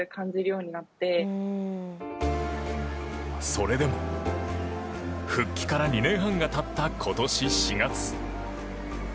それでも、復帰から２年半が経った今年４月。